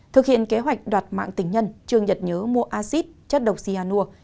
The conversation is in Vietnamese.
thực hiện kế hoạch đoạt mạng tình nhân trương nhật nhớ mua acid chất độc siyanur